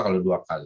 kalau dua kali